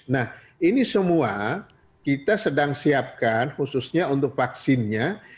nah ini semua kita sedang siapkan khususnya untuk vaksinnya